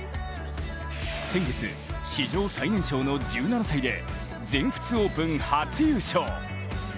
先月、史上最年少の１７歳で全仏オープン初優勝。